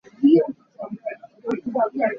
Nga cu phukphuher a ngeimi an tam deuh.